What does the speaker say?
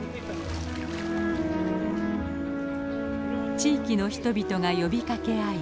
地域の人々が呼びかけ合い